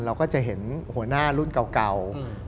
เราก็จะเห็นหัวหน้ารุ่นเก่า